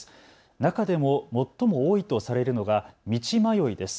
中でも最も多いとされるのが道迷いです。